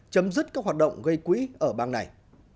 chấm dứt các hoạt động gây quỹ ở bang này